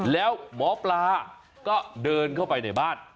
แล้วหมอปลาก็เดินเข้าไปในบ้าน